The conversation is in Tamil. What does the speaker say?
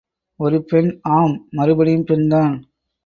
ஒரு பெண், ஆம் மறுபடியும் பெண் தான்.